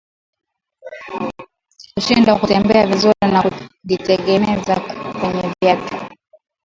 Kushindwa kutembea vizuri na kujiegemeza kwenye vitu